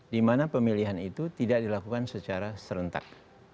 di mana pemilihan itu tidak dilakukan secara serentak